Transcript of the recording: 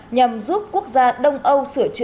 nhằm giúp quốc gia đông âu sửa chữa